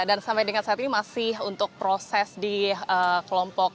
dan sampai dengan saat ini masih untuk proses di kelompok